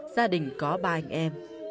gia đình có ba anh em